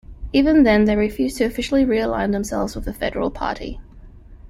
Even then, they refused to officially re-align themselves with the federal party.